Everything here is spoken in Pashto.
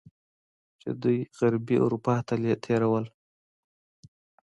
چې دوی غربي اروپا ته تیرول.